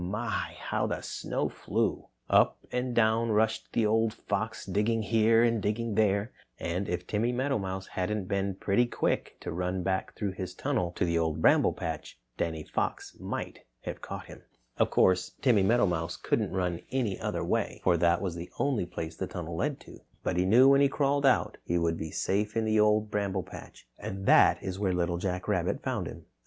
My, how the snow flew! Up and down rushed the old fox, digging here and digging there, and if Timmy Meadowmouse hadn't been pretty quick to run back through his tunnel to the Old Bramble Patch, Danny Fox might have caught him. Of course, Timmy Meadowmouse couldn't run any other way, for that was the only place the tunnel led to. But he knew when he crawled out he would be safe in the Old Bramble Patch. And that's where Little Jack Rabbit found him.